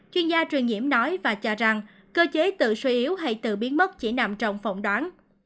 chuyên gia truyền nhiễm nói và cho rằng cơ chế tự suy yếu hay tự biến mất chỉ nằm trong phỏng đoán